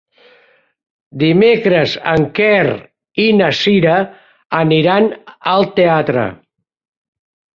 Dimecres en Quer i na Cira aniran al teatre.